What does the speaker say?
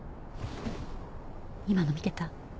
今の見てた？